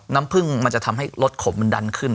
น้ำผึ้งมันจะทำให้รสขมมันดันขึ้น